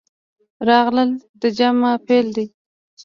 راغلل د جمع فعل دی.